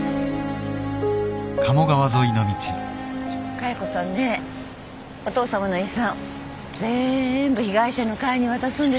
加代子さんねお父さまの遺産ぜんぶ被害者の会に渡すんですって。